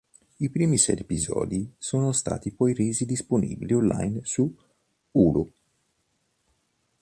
I primi sei episodi sono stati poi resi disponibili online su Hulu.